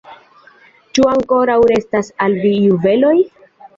Ĉu ankoraŭ restas al vi juveloj?